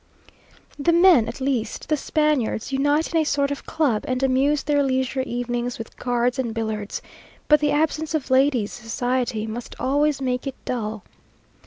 The men, at least the Spaniards, unite in a sort of club, and amuse their leisure evenings with cards and billiards; but the absence of ladies' society must always make it dull.